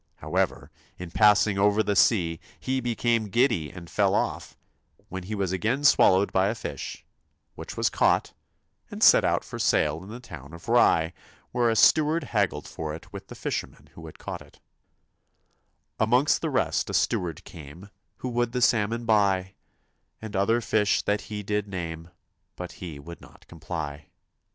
However, in pass ing over the sea he became giddy and fell off, when he was again swallowed by a fish, which was caught and set out for sale in the town of Rye, where a steward haggled for it with the fisherman who had caught it 204 Amongst the rest a steward came TOM Who would the salmon buy, THUMB And other fish that he did name, But he would not comply.